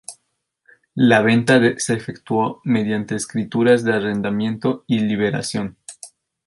La venta se efectuó mediante escrituras de arrendamiento y liberación.